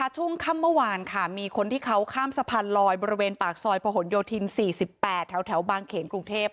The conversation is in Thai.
ช่วงค่ำเมื่อวานค่ะมีคนที่เขาข้ามสะพานลอยบริเวณปากซอยประหลโยธิน๔๘แถวบางเขนกรุงเทพ